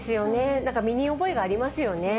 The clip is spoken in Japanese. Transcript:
なんか身に覚えがありますよね。